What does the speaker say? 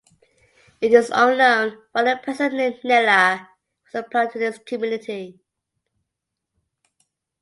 It is unknown why the present name "Nella" was applied to this community.